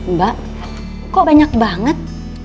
mbak kok banyak banget